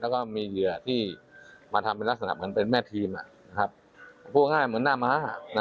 แล้วก็มีเหยื่อที่มาทำเป็นลักษณะของมันเป็นแม่ธีมน่ะครับพูดง่ายเหมือนหน้ามหาน่ะ